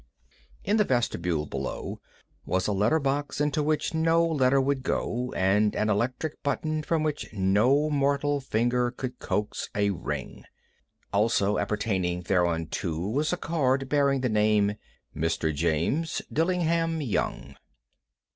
In the vestibule below was a letter box into which no letter would go, and an electric button from which no mortal finger could coax a ring. Also appertaining thereunto was a card bearing the name "Mr. James Dillingham Young."